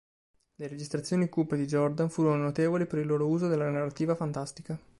Le registrazioni cupe di Jordan furono notevoli per il loro uso della narrativa fantastica.